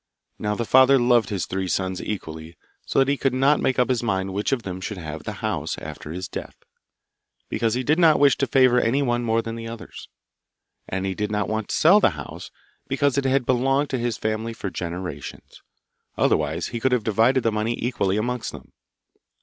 Now the father loved his three sons equally, so that he could not make up his mind which of them should have the house after his death, because he did not wish to favour any one more than the others. And he did not want to sell the house, because it had belonged to his family for generations; otherwise he could have divided the money equally amongst them.